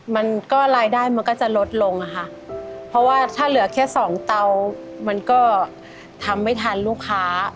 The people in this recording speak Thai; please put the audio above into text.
มันก็รายได้มันก็จะลดลงอะค่ะเพราะว่าถ้าเหลือแค่สองเตามันก็ทำไม่ทันลูกค้า